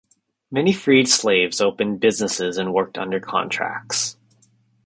Many freed slaves opened businesses and worked under contracts.